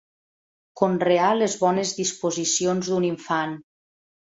Conrear les bones disposicions d'un infant.